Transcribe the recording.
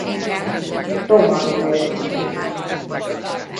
Roman volt.